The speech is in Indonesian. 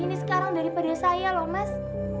ini sekarang daripada saya loh mas